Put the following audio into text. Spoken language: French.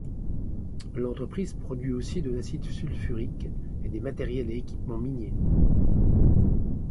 L'entreprise produit aussi de l'acide sulfurique et des matériels et équipements miniers.